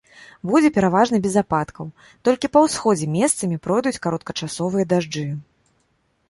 Будзе пераважна без ападкаў, толькі па ўсходзе месцамі пройдуць кароткачасовыя дажджы.